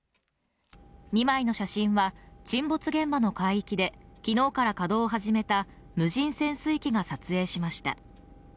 ２枚の写真は、沈没現場の海域で昨日から稼働を始めた無人潜水機が撮影しました。